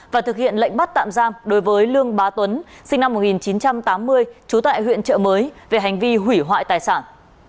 và thực hiện lệnh bắt tạm giam đối với lương bá tuấn sinh năm một nghìn chín trăm tám mươi trú tại huyện trợ mới về hành vi hủy hoại tài sản